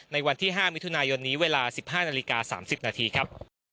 วันที่๕มิถุนายนนี้เวลา๑๕นาฬิกา๓๐นาทีครับ